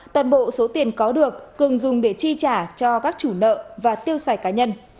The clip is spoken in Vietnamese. toàn bộ số tiền có được cường dùng để chi trả cho các chủ nợ và tiêu xài cá nhân